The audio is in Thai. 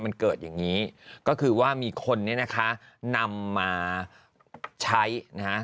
มันเกิดอย่างนี้ก็คือว่ามีคนเนี่ยนะคะนำมาใช้นะฮะ